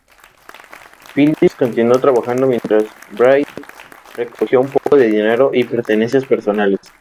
Phillips continuó trabajando mientras Bride recogió un poco de dinero y pertenencias personales.